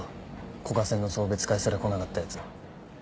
古賀センの送別会すら来なかったやつ。